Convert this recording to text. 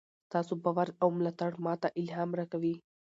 ستاسو باور او ملاتړ ماته الهام راکوي.